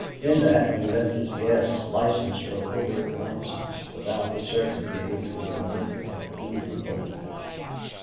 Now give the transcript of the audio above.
In that he left his guests license for covert glances without the certainty which would permit of brutal boldness.